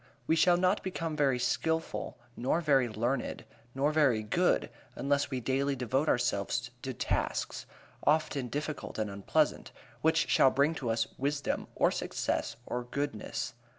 We shall not become very skilful, nor very learned, nor very good unless we daily devote ourselves to tasks often difficult and unpleasant which shall bring to us wisdom, or success, or goodness.